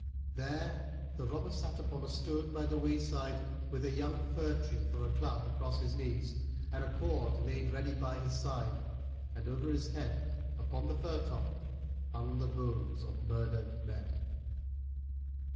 There the robber sat upon a stone by the wayside, with a young fir tree for a club across his knees, and a cord laid ready by his side, and over his head, upon the fir top, hung the bones of murdered men.